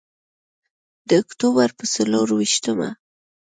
د اکتوبر په څلور ویشتمه.